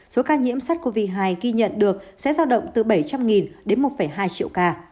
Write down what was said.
số ca nhiễm sars cov hai ghi nhận được sẽ giao động từ bảy trăm linh đến một hai triệu ca